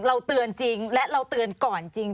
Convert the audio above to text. เตือนจริงและเราเตือนก่อนจริง